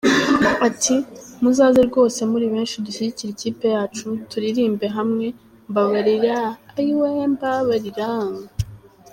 Ati “ Muzaze rwose muri benshi dushyigikire ikipe yacu, turirimbire hamwe, ‘Mbabarira ayiwe mbabarira”.